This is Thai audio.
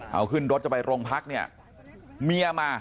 เอาขึ้นรถจะไปโรงพักเนี่ยเมียมา